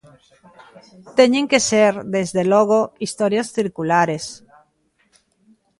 Teñen que ser, desde logo, historias circulares.